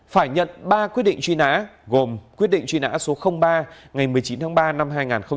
phải nhận ba quyết định truy nã gồm quyết định truy nã số ba ngày một mươi chín tháng ba năm hai nghìn một mươi bảy